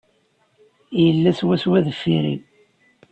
Yella swaswa deffir-i.